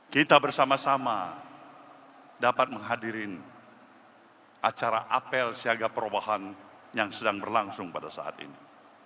kita bersama sama dapat menghadirin acara apel siaga perubahan yang sedang berlangsung pada saat ini